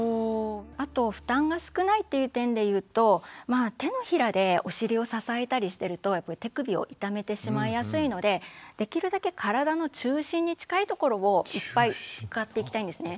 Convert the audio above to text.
あと負担が少ないっていう点で言うと手のひらでお尻を支えたりしてると手首を痛めてしまいやすいのでできるだけ体の中心に近いところをいっぱい使っていきたいんですね。